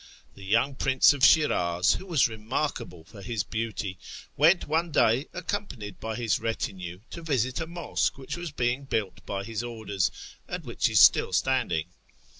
The young prince of Shiraz, who was remarkable for his beauty, went one day, accompanied by his retinue, to visit a mosque which was being built by his orders, and which is still standing.